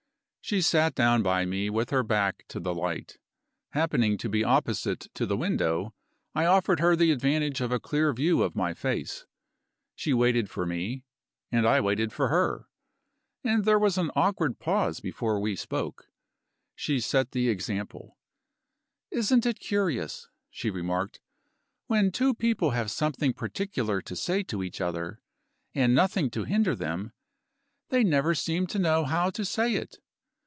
She sat down by me with her back to the light. Happening to be opposite to the window, I offered her the advantage of a clear view of my face. She waited for me, and I waited for her and there was an awkward pause before we spoke. She set the example. "Isn't it curious?" she remarked. "When two people have something particular to say to each other, and nothing to hinder them, they never seem to know how to say it.